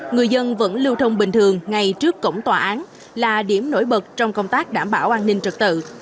người dân vẫn lưu thông bình thường ngay trước cổng tòa án là điểm nổi bật trong công tác đảm bảo an ninh trật tự